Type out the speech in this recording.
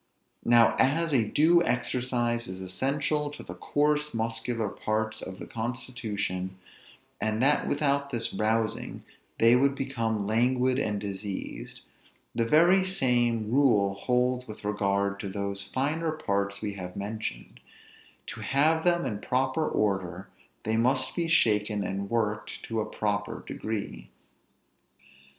Now, as a due exercise is essential to the coarse muscular parts of the constitution, and that without this rousing they would become languid and diseased, the very same rule holds with regard to those finer parts we have mentioned; to have them in proper order, they must be shaken and worked to a proper degree.